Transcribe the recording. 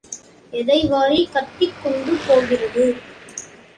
எதை வாரிக் கட்டிக் கொண்டு போகிறது?